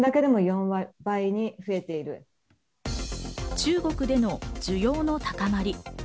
中国での需要の高まり。